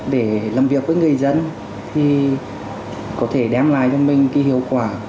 để làm việc với người dân thì có thể đem lại cho mình cái hiệu quả